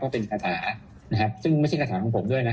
เป็นคาถานะครับซึ่งไม่ใช่คาถาของผมด้วยนะ